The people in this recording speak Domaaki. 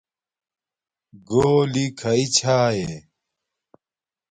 گݸلݵ کھݳئی چھݳئݺ؟